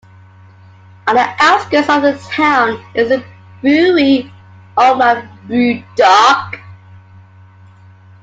On the outskirts of the town is a brewery owned by BrewDog.